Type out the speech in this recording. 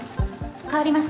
代わります。